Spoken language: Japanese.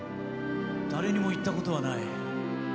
誰にも言ったことはない。